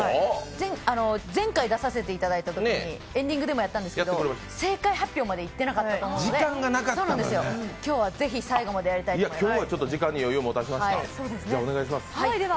前回、出させていただいたときエンディングでもやったんですが正解発表までいってなかったと思うので今日は是非、最後までやりたいと思います。